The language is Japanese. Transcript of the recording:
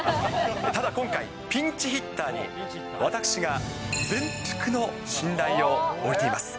ただ今回、ピンチヒッターに私が全幅の信頼を置いています